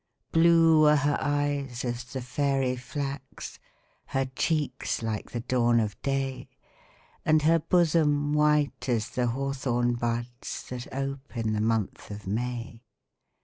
Blue were her eyes as the fairy flax, Her cheeks like the dawn of day, And her bosom white as the hawthorn buds, That ope in the month of May.